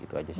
itu aja sih